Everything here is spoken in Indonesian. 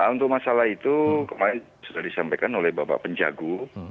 untuk masalah itu sudah disampaikan oleh bapak penjago